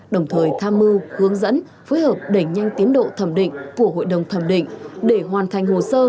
đồng thời tham mưu hướng dẫn phối hợp đẩy nhanh tiến độ thẩm định của hội đồng thẩm định để hoàn thành hồ sơ